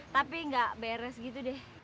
tapi nggak beres gitu deh